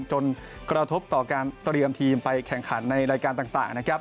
กระทบต่อการเตรียมทีมไปแข่งขันในรายการต่างนะครับ